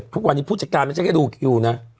บาดนี้ผู้จัดการไม่ใช่แค่ดูว์กิวนะ